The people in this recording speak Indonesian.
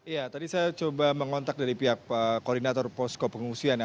ya tadi saya coba mengontak dari pihak koordinator posko pengungsian ya